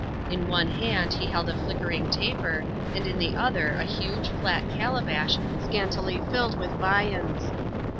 In one hand he held a flickering taper, and in the other a huge, flat calabash, scantily filled with viands.